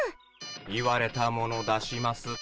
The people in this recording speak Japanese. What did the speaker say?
言われたもの出します。